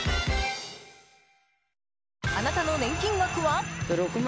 あなたの年金額は？